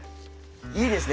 いいですね